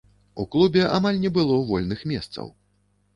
У клубе амаль не было вольных месцаў.